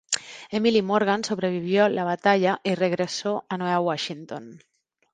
Emily Morgan sobrevivió la batalla y regresó a Nueva Washington.